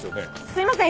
すいません！